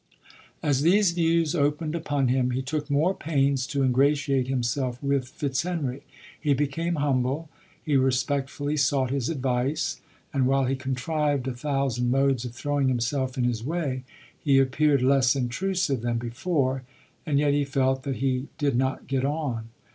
As these views opened upon him, he took more pains to in gratiate himself with Fit/henry. He became humble; lie respectfully sought his advice — and while he contrived a thousand modes of throwing himself in his way, he appeared less intrusive than before — and yet he felt that he did not get on.